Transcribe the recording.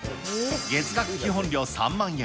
月額基本料３万円。